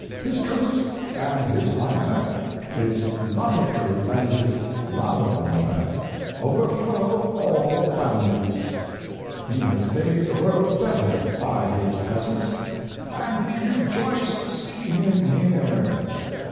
His truth and his honor his love of truth and his love of honor overflow all boundaries. He has made the world better by his presence, and we rejoice to see him here.